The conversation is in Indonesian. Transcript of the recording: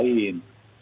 dari orang lain